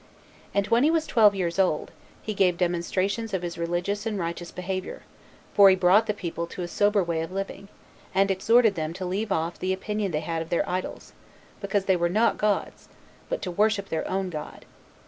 And when he was twelve years old, he gave demonstrations of his religious and righteous behavior; for he brought the people to a sober way of living, and exhorted them to leave off the opinion they had of their idols, because they were not gods, but to worship their own God.